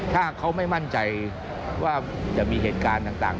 ถ้าเขาไม่มั่นใจว่าจะมีเหตุการณ์ต่าง